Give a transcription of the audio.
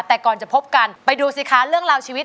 แต่ก่อนจะพบกันไปดูสิคะเรื่องราวชีวิต